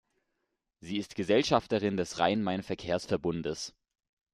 Sie ist Gesellschafterin des Rhein-Main-Verkehrsverbundes.